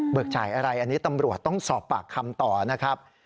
จ่ายอะไรอันนี้ตำรวจต้องสอบปากคำต่อนะครับ